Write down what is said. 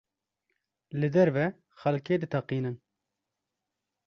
Li derve xelkê diteqînin.